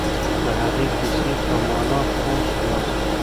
د هغې کیسې په مانا پوه سواست؟